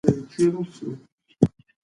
تقاضا د خلکو غوښتنې اندازه ښيي.